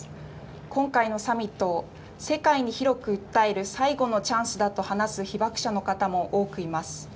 今回のサミットを世界に広く訴える最後のチャンスだと話す被爆者の方も多くいます。